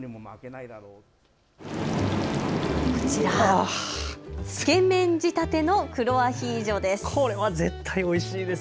こちら、つけ麺仕立ての黒アヒージョです。